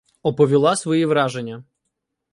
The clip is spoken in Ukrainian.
Оповіла свої враження.